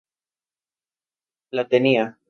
La tenía.